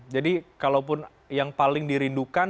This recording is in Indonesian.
jadi kalaupun yang paling dirindukan